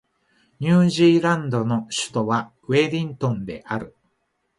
ニュージーランドの首都はウェリントンである